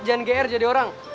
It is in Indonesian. jangan gr jadi orang